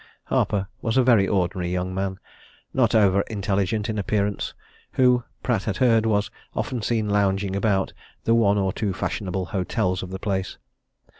Harper was a very ordinary young man, not over intelligent in appearance, who, Pratt had heard, was often seen lounging about the one or two fashionable hotels of the place.